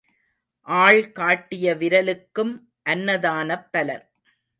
ஆள் காட்டிய விரலுக்கும் அன்னதானப் பலன்.